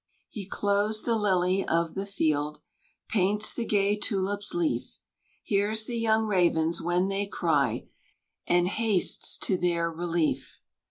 He clothes the lily of the field, Paints the gay tulip's leaf, Hears the young ravens when they cry, And hastes to their relief.